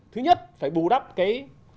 thứ nhất phải bù đắp cái